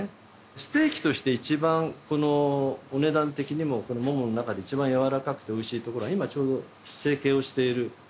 ステーキとして一番このお値段的にもこのモモの中で一番柔らかくておいしいところが今ちょうど成形をしているランプの肉なんですね。